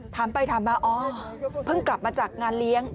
ถามไปถามมาอ๋อเพิ่งกลับมาจากงานเลี้ยง